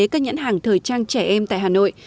các nhãn hàng thời trang trẻ em tại hà nội